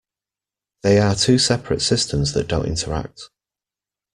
They are two separate systems that don't interact.